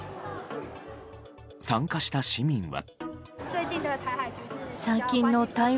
参加した市民は。